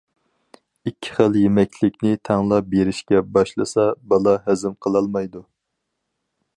ئىككى خىل يېمەكلىكنى تەڭلا بېرىشكە باشلىسا بالا ھەزىم قىلالمايدۇ.